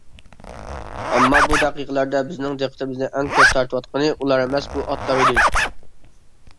ئەمما بۇ دەقىقىلەردە بىزنىڭ دىققىتىمىزنى ئەڭ كۆپ تارتىۋاتقىنى ئۇلار ئەمەس بۇ ئاتلار ئىدى.